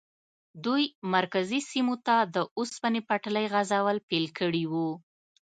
دوی مرکزي سیمو ته د اوسپنې پټلۍ غځول پیل کړي وو.